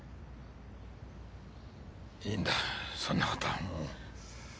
いいんだそんな事はもう。